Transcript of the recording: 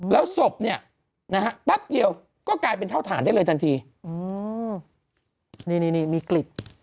แล้วศพเนี่ยนะฮะแป๊บเดียวก็กลายเป็นเท่าฐานได้เลยทันทีนี่นี่มีกลิ่น